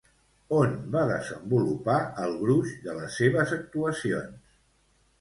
On va desenvolupar el gruix de les seves actuacions?